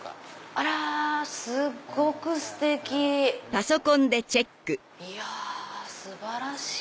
あらすごくステキ！いや素晴らしい！